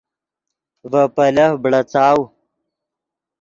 ڤے پیلف بڑاڅاؤ